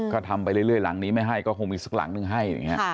ก็ทำไปเรื่อยหลังนี้ไม่ให้ก็คงมีสักหลังหนึ่งให้